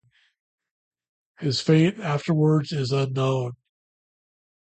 His fate afterwards is unknown.